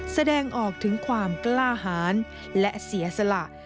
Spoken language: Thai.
แสดงออกถึงความกล้าหารและเสียสละ